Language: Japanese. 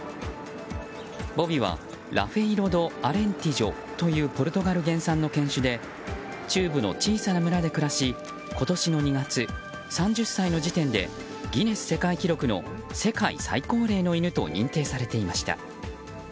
ボビはラフェイロ・ド・アレンティジョというポルトガル原産の犬種で静かな村で暮らし今年の２月、３０歳の時点でギネス世界記録の世界最高齢の犬と認定されていました。